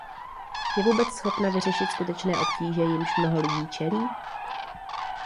Je vůbec schopna vyřešit skutečné obtíže, jimž mnoho lidí čelí?